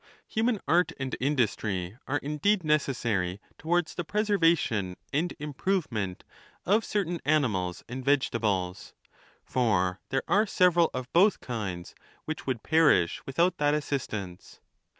Human art and industry are indeed necessary towards the preservation and improvement of certain animals and vegetables; for there are several of both kinds which would perish without that assistance.